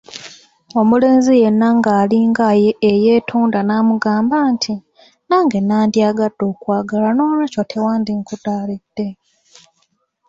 Omulenzi yenna nga alinga eyeetonda n’amugamba nti “Nange nandyagadde okwagalwa n’olwekyo tewandinkudaalidde”.